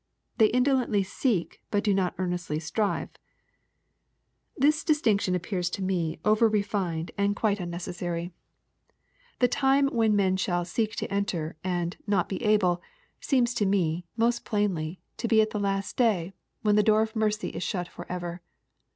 They indolently " seek," but do not earnestly •* strive." This distinction appears to me over refined and quite unno 136 BXPOBiTORT THOUGHTS. oessary. The time when men shall " seek to enter," and *' not be able," seems to me, most plainly, to be at the last day, when the door of mercy is shut for ever.